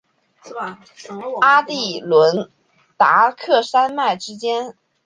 阿第伦达克山脉之间。